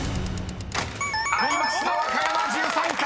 ［ありました「和歌山」１３回！］